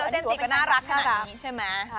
เจมส์จีก็น่ารักขนาดนี้ใช่มั้ย